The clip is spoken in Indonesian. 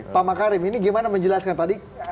pak makarim ini gimana menjelaskan tadi